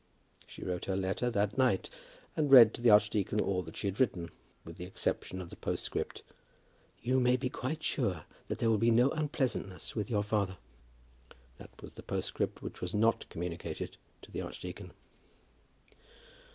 She wrote her letter that night, and read to the archdeacon all that she had written, with the exception of the postscript: "You may be quite sure that there will be no unpleasantness with your father." That was the postscript which was not communicated to the archdeacon.